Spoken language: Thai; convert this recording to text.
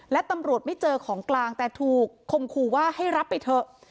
และตำรวจไม่เจอของกลางแต่ถูกคมคู่ว่าให้รับไปเถอะ